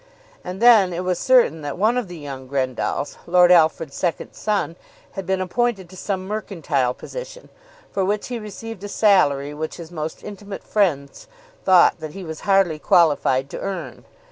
And then it was certain that one of the young Grendalls, Lord Alfred's second son, had been appointed to some mercantile position, for which he received a salary which his most intimate friends thought that he was hardly qualified to earn.